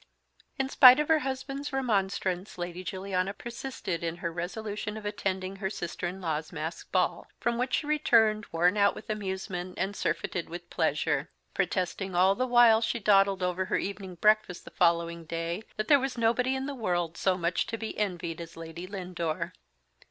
In spite of her husband's remonstrance Lady Juliana persisted in her resolution of attending her sister in law's masked ball, from which she returned, worn out with amusement and surfeited with pleasure; protesting all the while she dawdled over her evening breakfast the following day that there was nobody in the world so much to be envied as Lady Lindore.